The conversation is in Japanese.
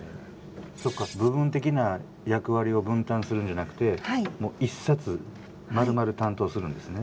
そっか部分的な役割を分担するんじゃなくてもう１冊まるまる担当するんですね。